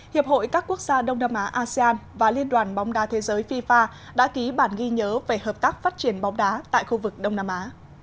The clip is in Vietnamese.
hiệp hội các quốc gia đông nam á asean và liên đoàn bóng đá thế giới fifa đã ký bản ghi nhớ về hợp tác phát triển bóng đá tại khu vực đông nam á